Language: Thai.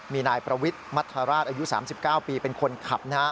มีนายประวิทย์มัธราชอายุ๓๙ปีเป็นคนขับ